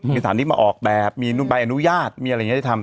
มีสถาปนิกมาออกแบบมีใบอนุญาตมีอะไรอย่างนี้ที่ทำ